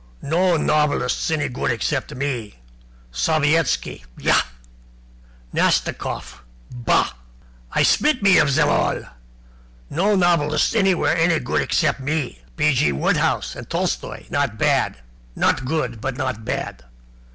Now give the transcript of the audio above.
"No novelists any good except me. Sovietski yah! Nastikoff bah! I spit me of zem all. No novelists anywhere any good except me. P. G. Wodehouse and Tolstoi not bad. Not good, but not bad.